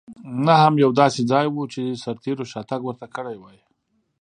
نه هم یو داسې ځای و چې سرتېرو شاتګ ورته کړی وای.